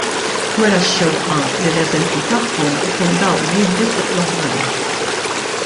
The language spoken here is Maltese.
Wera x-xewqa li l-eżempju tagħhom ikun dawl jiddi fuq l-oħrajn.